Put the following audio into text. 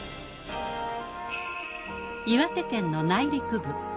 岩手県の内陸部。